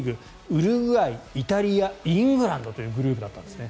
ウルグアイ、イタリアイングランドというグループだったんですね。